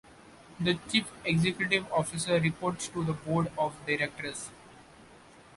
The chief executive officer reports to the board of directors.